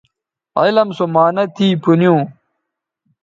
علم سو معانہ تھی پُھنیوں